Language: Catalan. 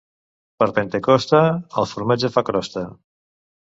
Per Pentecosta el formatge fa crosta.